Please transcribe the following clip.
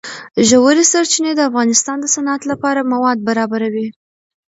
ژورې سرچینې د افغانستان د صنعت لپاره مواد برابروي.